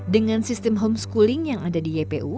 dengan sistem homeschooling yang ada di ypu